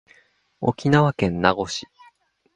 沖縄県名護市